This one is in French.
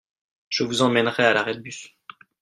Je vous emmènerai à l'arrêt de bus.